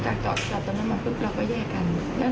และก็จะรับความจริงของตัวเอง